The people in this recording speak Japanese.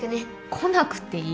来なくていい。